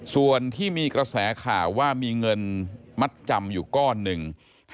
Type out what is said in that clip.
ส่วนที่มีกระแสข่าวว่ามีเงินมัดจำอยู่ก้อนหนึ่ง